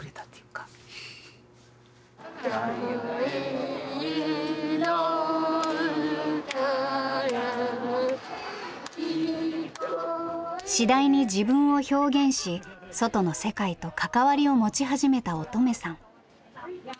かえるの歌が次第に自分を表現し外の世界と関わりを持ち始めた音十愛さん。